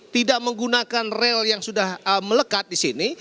tidak menggunakan rel yang sudah melekat di sini